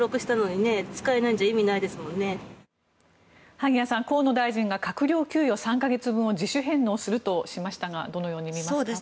萩谷さん河野大臣が閣僚給与３か月分を自主返納するとしましたがどのように見ますか？